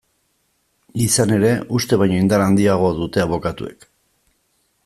Izan ere, uste baino indar handiagoa dute abokatuek.